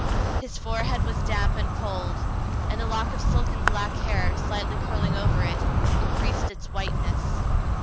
His forehead was damp and cold, and a lock of silken black hair, slightly curling over it, increased its whiteness.